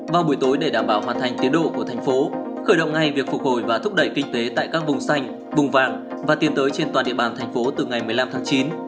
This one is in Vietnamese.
vào buổi tối để đảm bảo hoàn thành tiến độ của thành phố khởi động ngay việc phục hồi và thúc đẩy kinh tế tại các vùng xanh vùng vàng và tiến tới trên toàn địa bàn thành phố từ ngày một mươi năm tháng chín